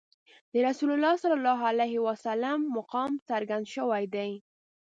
د رسول الله صلی الله علیه وسلم مقام څرګند شوی دی.